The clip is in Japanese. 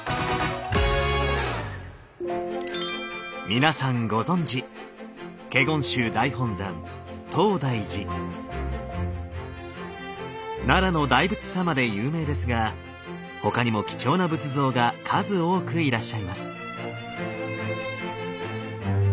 皆さんご存じ奈良の大仏様で有名ですが他にも貴重な仏像が数多くいらっしゃいます。